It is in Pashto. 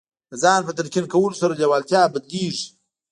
د ځان په تلقین کولو سره لېوالتیا بدلېږي